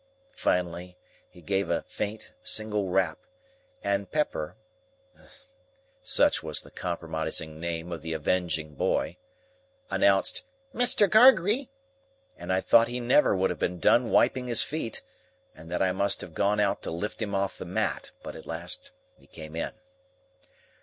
Finally he gave a faint single rap, and Pepper—such was the compromising name of the avenging boy—announced "Mr. Gargery!" I thought he never would have done wiping his feet, and that I must have gone out to lift him off the mat, but at last he came in.